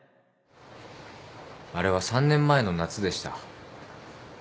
あれは３年前の夏でした。